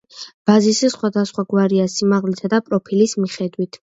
ბაზისი სხვადასხვაგვარია სიმაღლითა და პროფილის მიხედვით.